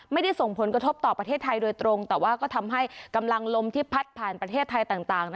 ไม่ได้ส่งผลกระทบต่อประเทศไทยโดยตรงแต่ว่าก็ทำให้กำลังลมที่พัดผ่านประเทศไทยต่าง